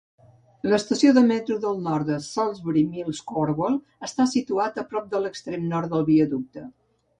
L'estació de metro del nord Salisbury Mills-Cornwall està situada prop de l'extrem nord del viaducte.